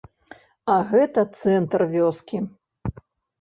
А гэта цэнтр вёскі!